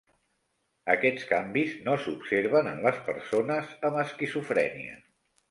Aquests canvis no s'observen en les persones amb esquizofrènia.